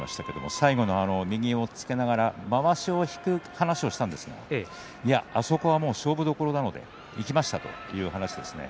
最後の右を押っつけながらまわしを引く話をしたんですがあそこは勝負どころなのでいきましたという話ですね。